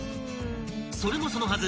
［それもそのはず！